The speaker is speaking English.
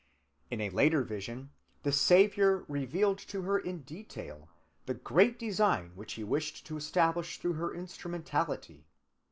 In a later vision the Saviour revealed to her in detail the "great design" which he wished to establish through her instrumentality.